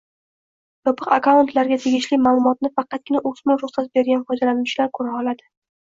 Yopiq akkauntlarga tegishli ma’lumotni faqatgina o‘smir ruxsat bergan foydalanuvchilar ko‘ra oladi